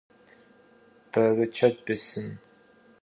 Berıçet bêsın.